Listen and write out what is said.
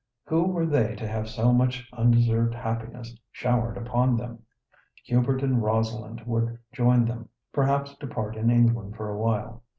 Who were they to have so much undeserved happiness showered upon them? Hubert and Rosalind would join them, perhaps to part in England for a while.